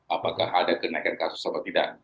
apakah ada kenaikan kasus atau tidak